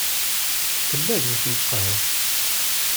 Tella yiwet n lqahwa.